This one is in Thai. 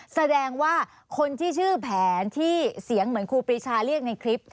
แสดงว่าคนที่ชื่อแผนที่เสียงเหมือนครูปรีชาเรียกในคลิป